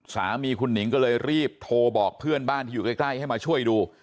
สามีคุณหนิงก็เลยรีบโทรบอกเพื่อนบ้านที่อยู่ใกล้ให้มาช่วยดู